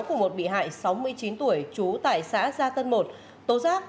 của một bị hại sáu mươi chín tuổi trú tại xã gia tân một tố giác